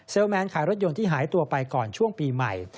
แมนขายรถยนต์ที่หายตัวไปก่อนช่วงปีใหม่